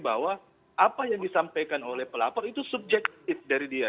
bahwa apa yang disampaikan oleh pelapor itu subjektif dari dia